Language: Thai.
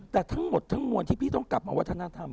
แต่ทั้งหมดทั้งมวลที่พี่ต้องกลับมาวัฒนธรรม